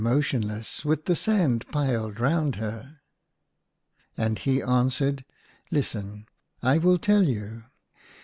69 motionless with the sand piled round her?" And he answered, " Listen, I will tell you